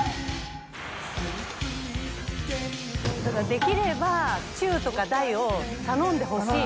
できれば中とか大を頼んでほしい。